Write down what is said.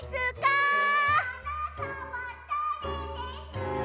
あなたはだれですか？